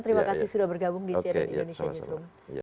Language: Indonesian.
terima kasih sudah bergabung di cnn indonesia newsroom